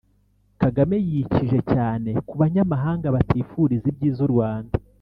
Kagame yikije cyane ku banyamahanga batifuriza ibyiza u Rwanda